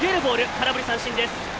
空振り三振です。